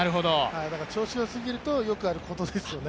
だから調子よすぎるとよくあることですね。